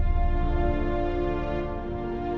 kau cuma percaya sama aku